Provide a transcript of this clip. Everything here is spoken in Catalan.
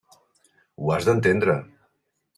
Ho has d'entendre.